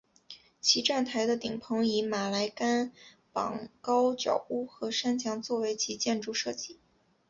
其站台的顶棚以马来甘榜高脚屋和山墙作为其建筑设计。